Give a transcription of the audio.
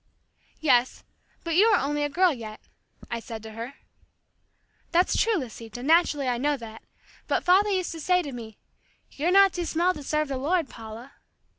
"Yes, but you are only a girl yet," I said to her. "That's true, Lisita, naturally I know that, but father used to say to me, 'You're not too small to serve the Lord, Paula!'